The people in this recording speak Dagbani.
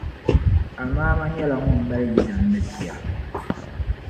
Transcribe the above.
Amama nyɛla ŋun mali yidana ni bia.